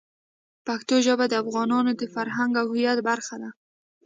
پښتو ژبه د افغانانو د فرهنګ او هویت برخه ده.